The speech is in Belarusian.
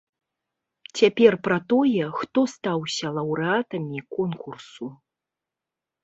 Цяпер пра тое, хто стаўся лаўрэатамі конкурсу.